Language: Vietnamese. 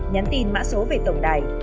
nhắn tin mã số về tổng đài